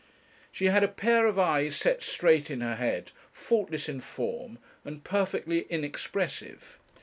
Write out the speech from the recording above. She had a pair of eyes set straight in her head, faultless in form, and perfectly inexpressive.